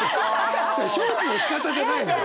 表記のしかたじゃないのよ！